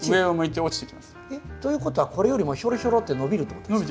えっということはこれよりもヒョロヒョロって伸びるってことですか？